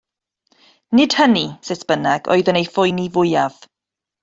Nid hynny, sut bynnag, oedd yn ei phoeni fwyaf.